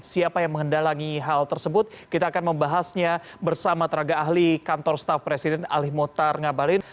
siapa yang mengendalangi hal tersebut kita akan membahasnya bersama tenaga ahli kantor staf presiden ali motar ngabalin